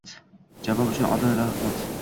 Javob uchun oldindan rahmat.